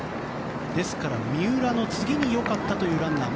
ですから、三浦の次に良かったというランナー。